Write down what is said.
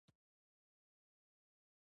ما په خپل ټول ژوند کې همداسي ښایست نه و ليدلی.